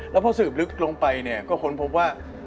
แล้วพอสืบลึกลงไปเนี่ยก็ค้นพบว่า